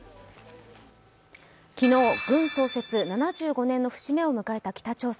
昨日、軍創設７５年の節目を迎えた北朝鮮。